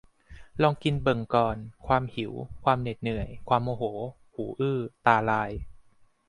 ลองกินเบิ่งก่อน ความหิว ความเหน็ดเหนื่อย ความโมโห หูอื้อตาลาย